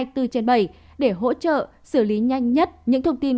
bốn trên bảy để hỗ trợ xử lý nhanh nhất những thông tin